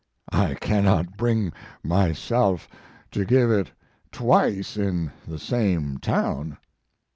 "I cannot bring myself to give it twice in the same town."